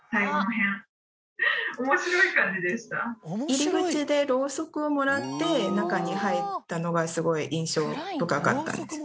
入り口でロウソクをもらって中に入ったのがすごい印象深かったです。